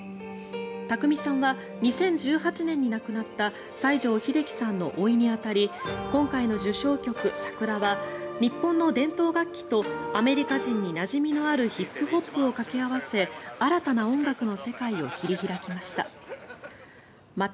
宅見さんは２０１８年に亡くなった西城秀樹さんのおいに当たり今回の受賞曲「Ｓａｋｕｒａ」は日本の伝統楽器とアメリカ人になじみのあるヒップホップをかけ合わせ新たな音楽の世界を切り開きました。